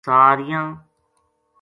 سا ریاں